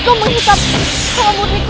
kau menghidap sama buddhiku